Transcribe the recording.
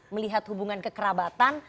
melihat hubungan kekerabatan